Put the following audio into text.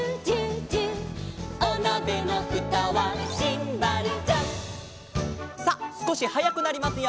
「おなべのふたはシンバルジャン」さあすこしはやくなりますよ。